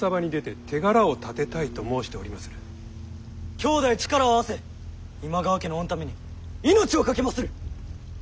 兄弟力を合わせ今川家の御為に命を懸けまする！